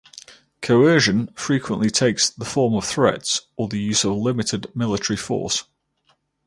Coercion frequently takes the form of threats or the use of limited military force.